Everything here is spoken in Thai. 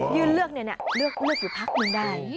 เลือกเนี่ยเลือกอยู่พักนึงได้